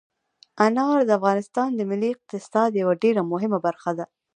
انار د افغانستان د ملي اقتصاد یوه ډېره مهمه برخه ده.